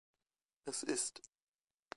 Es ist